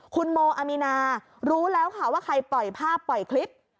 คุณโมอามีนารู้แล้วค่ะว่าใครปล่อยภาพปล่อยคลิป